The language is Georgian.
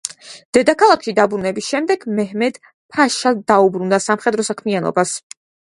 დედაქალაქში დაბრუნების შემდეგ, მეჰმედ-ფაშა დაუბრუნდა სამხედრო საქმიანობას.